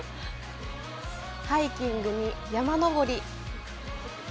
ハイキングに山登り。